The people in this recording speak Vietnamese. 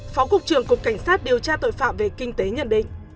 phó cục trưởng cục cảnh sát điều tra tội phạm về kinh tế nhận định